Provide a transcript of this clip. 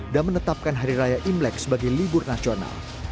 dan menetapkan hari raya imlek sebagai libur nasional